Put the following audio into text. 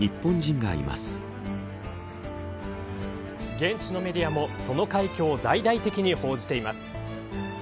現地のメディアもその快挙を大々的に報じています。